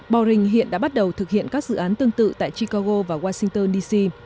boring hiện đã bắt đầu thực hiện các dự án tương tự tại chicago và washington dc